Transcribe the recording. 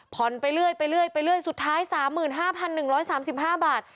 ไปเรื่อยสุดท้าย๓๕๑๓๕บาท